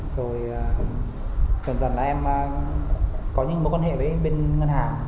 rồi dần dần là em có những mối quan hệ với bên ngân hàng